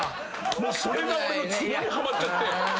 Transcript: もうそれが俺のつぼにはまっちゃって。